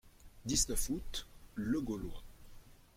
dix-neuf août., Le Gaulois.